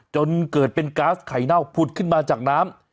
จนเกิดเป็นก๊าซไข่เน่าผุดขึ้นมาจากน้ำ